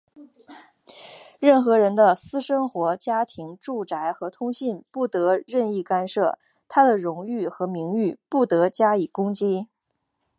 任何人的私生活、家庭、住宅和通信不得任意干涉,他的荣誉和名誉不得加以攻击。